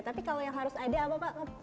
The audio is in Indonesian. tapi kalau yang harus ada apa pak